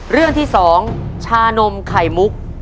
เรื่องที่๒ชานมไข่มุก